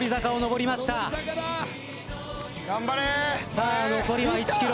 さあ残りは１ｋｍ。